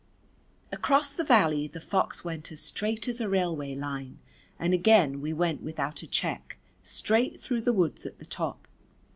Across the valley the fox went as straight as a railway line, and again we went without a check straight through the woods at the top.